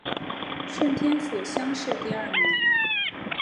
顺天府乡试第二名。